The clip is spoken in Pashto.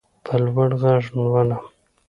په لوړ غږ لولم.